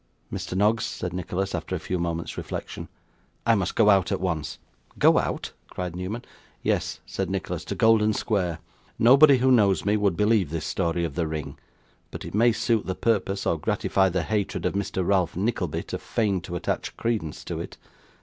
'Mr. Noggs,' said Nicholas, after a few moments' reflection, 'I must go out at once.' 'Go out!' cried Newman. 'Yes,' said Nicholas, 'to Golden Square. Nobody who knows me would believe this story of the ring; but it may suit the purpose, or gratify the hatred of Mr. Ralph Nickleby to feign to attach credence to it.